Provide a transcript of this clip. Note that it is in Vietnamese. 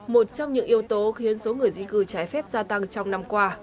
một trong những yếu tố khiến số người di cư trái phép gia tăng trong năm qua